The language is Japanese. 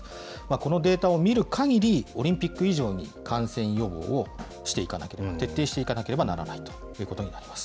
このデータを見るかぎり、オリンピック以上に感染予防をしていかなければ、徹底していかなければならないということになります。